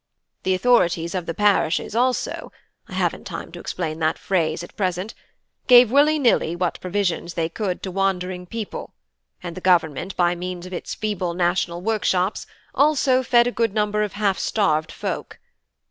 The authorities of the parishes also (I haven't time to explain that phrase at present) gave willy nilly what provisions they could to wandering people; and the Government, by means of its feeble national workshops, also fed a good number of half starved folk.